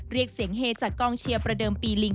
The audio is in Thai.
เรียกเสียงเฮจากกองเชียร์ประเดิมปีลิง